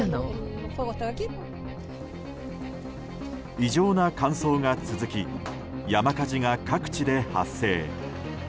異常な乾燥が続き山火事が各地で発生。